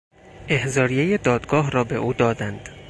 احضاریهی دادگاه را به او دادند.